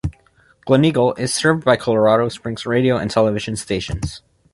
Gleneagle is served by Colorado Springs Radio and Television stations.